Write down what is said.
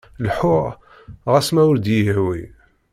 Leḥḥuɣ ɣas ma ur d iy-ihwi.